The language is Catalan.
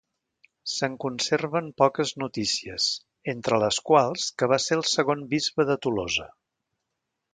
Se'n conserven poques notícies, entre les quals que va ser el segon bisbe de Tolosa.